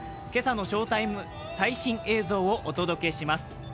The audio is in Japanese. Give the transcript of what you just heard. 今朝の翔タイム、最新映像をお届けします。